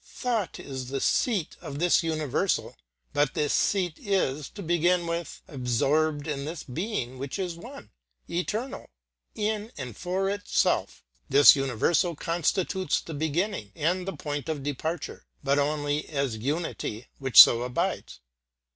Thought is the seat of this universal, but this seat is, to begin with, absorbed in this being which is one, eternal, in and for itself. This universal constitutes the beginning and the point of departure, but only as unity which so abides.